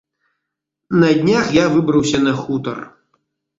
На днях я выбраўся на хутар.